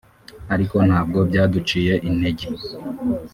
ariko ntabwo byaduciye intege